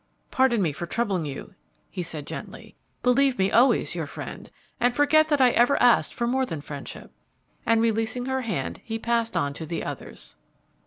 "Pardon me for troubling you," he said, gently. "Believe me always your friend, and forget that I ever asked for more than friendship," and, releasing her hand, he passed on to the others.